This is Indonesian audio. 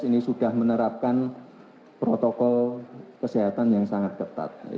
ini sudah menerapkan protokol kesehatan yang sangat ketat